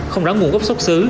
không rõ nguồn gốc xuất xứ